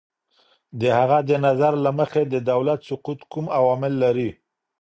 د هغه د نظر له مخې، د دولت سقوط کوم عوامل لري؟